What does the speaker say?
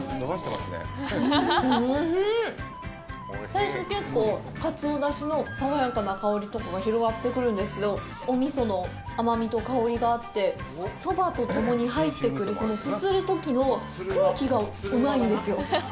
最初、結構カツオ出汁の爽やかな香りとかが広がってくるんですけどお味噌の甘みと香りがあってそばとともに入ってくるすするときの空気がうまいんですよ。